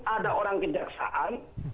ada orang kejaksaan